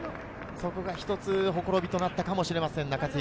そこが一つほころびとなったかもしれません、中津東。